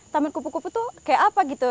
taman kupu kupu tuh kayak apa gitu